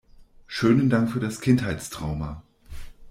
Schönen Dank für das Kindheitstrauma!